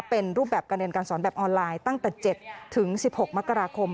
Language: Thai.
เป็นรูปแบบการเรียนการสอนแบบออนไลน์ตั้งแต่เจ็ดถึงสิบหกมักกราคม